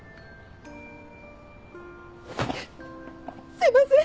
すいません！